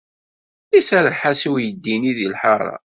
Iserreḥ-as i uydi-nni deg lḥaṛa.